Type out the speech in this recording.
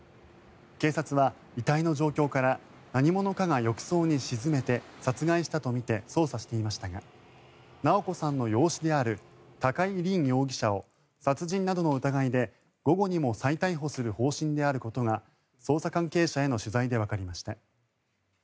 警察は遺体の状況から何者かが浴室に沈めて殺害したとみて捜査していましたが直子さんの養子である高井凜容疑者を殺人などの疑いで午後にも再逮捕する方針であることが捜査関係者への取材でわかりました。